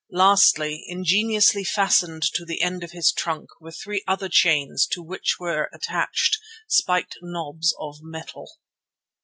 Lastly, ingeniously fastened to the end of his trunk were three other chains to which were attached spiked knobs of metal.